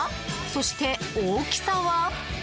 そして、大きさは？